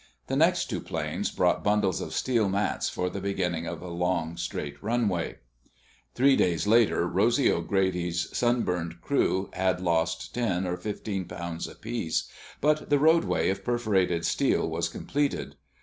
The next two planes brought bundles of steel mats for the beginning of a long, straight runway. Three days later Rosy O'Grady's sunburned crew had lost ten or fifteen pounds apiece, but the roadway of perforated steel was completed.